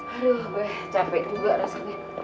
aduh weh capek juga rasanya